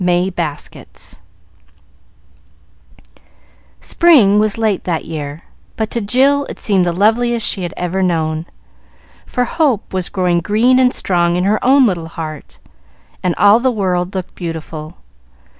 May Baskets Spring was late that year, but to Jill it seemed the loveliest she had ever known, for hope was growing green and strong in her own little heart, and all the world looked beautiful.